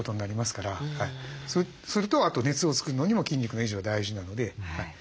するとあと熱を作るのにも筋肉の維持は大事なので。